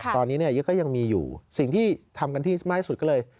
ตอนนี้ยุทธก็ยังมีอยู่สิ่งที่ทำกันที่มากที่สุดก็เลย